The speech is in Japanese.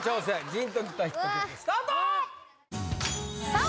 ジーンときたヒット曲スタートさあ